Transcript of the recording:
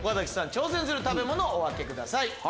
挑戦する食べ物をお開けください。